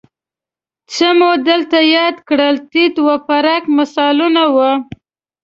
څه مو دلته یاد کړل تیت و پرک مثالونه وو